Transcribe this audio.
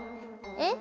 えっ！？